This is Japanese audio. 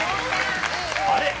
あれ？